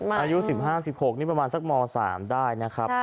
อายุ๑๕๑๖นี่ประมาณสักม๓ได้นะครับ